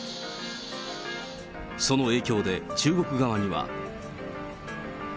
その影響で中国側には。